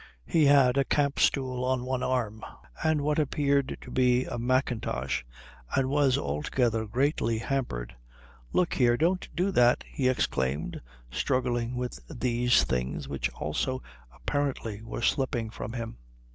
He had a camp stool on one arm, and what appeared to be a mackintosh, and was altogether greatly hampered. "Look here, don't do that," he exclaimed, struggling with these things which also apparently were slipping from him.